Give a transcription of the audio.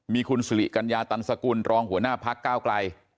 มีคุณสิริกัญญาตันสกุลรองหัวหน้าพักก้าวไกล